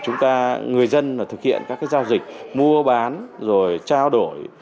người dân thực hiện các giao dịch mua bán rồi trao đổi